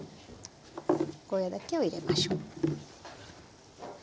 ゴーヤーだけを入れましょう。